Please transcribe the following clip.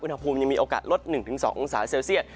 อุณหภูมิยังมีโอกาสลด๑๒องศาเซลเซียต